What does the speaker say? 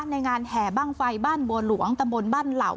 ในงานแห่บ้างไฟบ้านบัวหลวงตำบลบ้านเหล่า